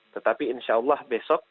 tetapi insya allah besok